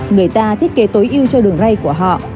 người ta thiết kế tối ưu cho đường rây của họ